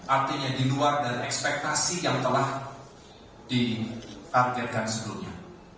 artinya diluar dari ekspektasi yang telah ditanggilkan sebelumnya